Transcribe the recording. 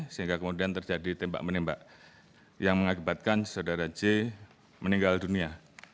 sehingga kemudian terjadi tembak menembak yang mengakibatkan saudara j meninggal dunia